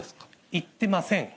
言っていません。